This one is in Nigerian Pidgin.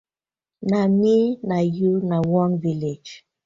Na mi na yu na one village.